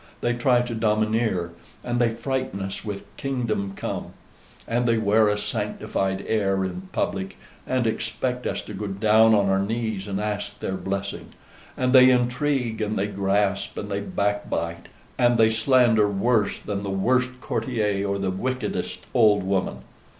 They try to domineer, and they frighten us with kingdom come; and they wear a sanctified air in public, and expect us to go down on our knees and ask their blessing; and they intrigue, and they grasp, and they backbite, and they slander worse than the worst courtier or the wickedest old woman.